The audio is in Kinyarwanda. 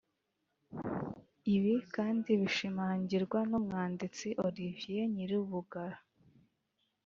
Ibi kandi bishimangirwa n’umwanditsi Olivier Nyirubugara